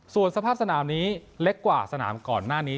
ส่วนสภาพสนามนี้เล็กกว่าสนามก่อนหน้านี้